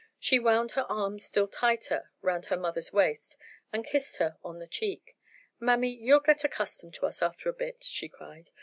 She wound her arms still tighter round her mother's waist, and kissed her on her cheek. "Mammy, you'll get accustomed to us after a bit," she cried.